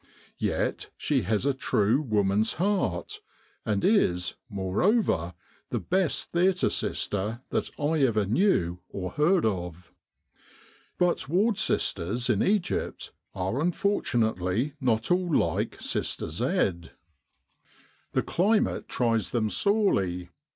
Yet she has a true woman's heart, and is, moreover, the Sest theatre sister that I ever knew or heard of. But ward sisters 271 With the R.A.M.C. in Egypt in Egypt are unfortunately not all like Sister Z . The climate tries them sorely.